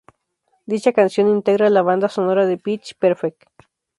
Dicha canción integra la banda sonora de "Pitch Perfect".